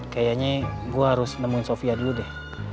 kayaknya gue harus nemuin sofia dulu deh